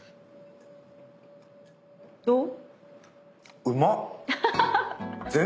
どう？